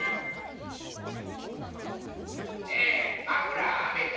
ねえマフラーあめた？